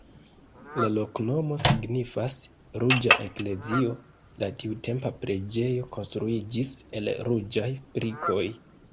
La loknomo signifas: ruĝa-eklezio, la tiutempa preĝejo konstruiĝis el ruĝaj brikoj.